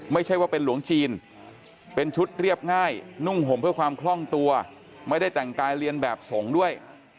ไม่ใช่ว่าเป็นหลวงจีนเป็นชุดเรียบง่ายนุ่งห่มเพื่อความคล่องตัวไม่ได้แต่งกายเรียนแบบสงฆ์ด้วย